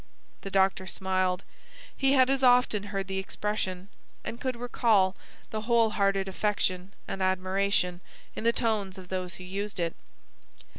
The doctor smiled. He had as often heard the expression, and could recall the whole hearted affection and admiration in the tones of those who used it.